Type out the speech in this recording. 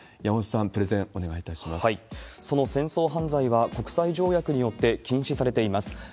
山本さん、その戦争犯罪は、国際条約によって禁止されています。